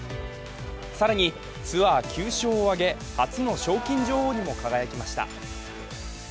更に、ツアー９勝を挙げ初の賞金女王にも輝きました。